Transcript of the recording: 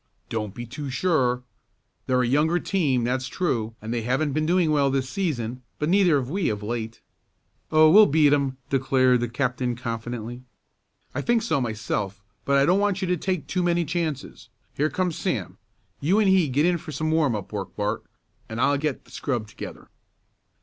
"Don't be too sure. They're a younger team, that's true, and they haven't been doing well this season, but neither have we of late." "Oh, we'll beat 'em," declared the captain confidently. "I think so myself, but I don't want you to take too many chances. Here comes Sam. You and he get in for some warm up work, Bart, and I'll get the scrub together."